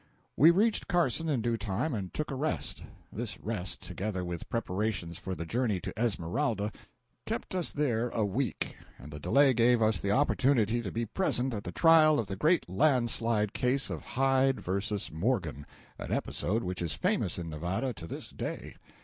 We reached Carson in due time, and took a rest. This rest, together with preparations for the journey to Esmeralda, kept us there a week, and the delay gave us the opportunity to be present at the trial of the great land slide case of Hyde vs. Morgan—an episode which is famous in Nevada to this day.